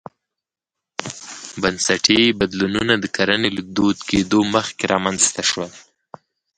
بنسټي بدلونونه د کرنې له دود کېدو مخکې رامنځته شول.